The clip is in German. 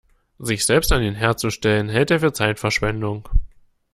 Sich selbst an den Herd zu stellen, hält er für Zeitverschwendung.